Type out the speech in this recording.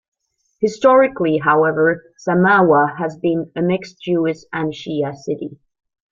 Historically, however, Samawah has been a mixed Jewish and Shia city.